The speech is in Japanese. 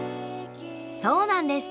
そうなんです。